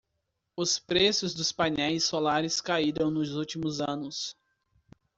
Os preços dos painéis solares caíram nos últimos anos.